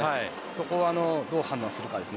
そこはどう判断するかです。